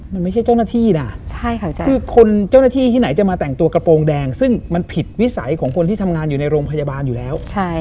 มันไม่ใช่เจ้าหน้าที่นะคือคนเจ้าหน้าที่ที่ไหนจะมาแต่งตัวกระโปรงแดงซึ่งมันผิดวิสัยของคนที่ทำงานอยู่ในโรงพยาบาลอยู่แล้ว